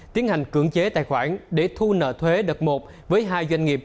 tiến hành cưỡng chế tài khoản để thu nợ thuế đợt một